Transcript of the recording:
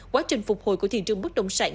quá trình phục hồi của thị trường bất động sản